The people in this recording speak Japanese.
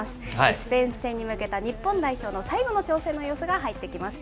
スペイン戦に向けた日本代表の最後の調整の様子が入ってきました。